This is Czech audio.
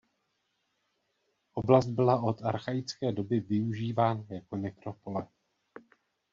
Oblast byla od Archaické doby využívána jako nekropole.